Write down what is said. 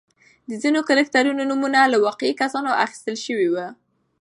د ځینو کرکټرونو نومونه له واقعي کسانو اخیستل شوي وو.